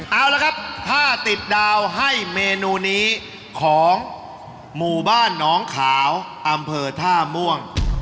เอาละครับถ้าติดดาวให้เมนูนี้ของหมู่บ้านน้องขาวอำเภอท่าม่วง